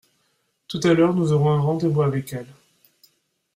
Tout à l’heure nous aurons un rendez-vous avec elles.